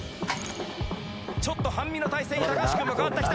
「ちょっと半身の体勢に橋君が変わってきた」